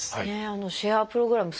あのシェアプログラム